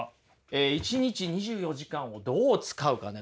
一日２４時間をどう使うかね。